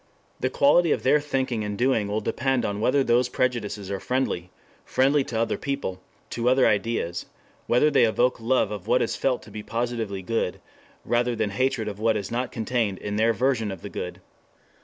The quality of their thinking and doing will depend on whether those prejudices are friendly, friendly to other people, to other ideas, whether they evoke love of what is felt to be positively good, rather than hatred of what is not contained in their version of the good.